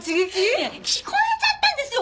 いや聞こえちゃったんですよ